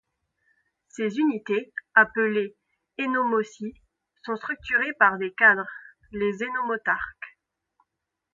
Ces unités, appelées énomoties, sont structurées par des cadres, les énomotarques.